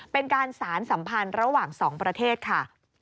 เป็นการสารสัมพันธ์ระหว่างสองประเทศค่ะ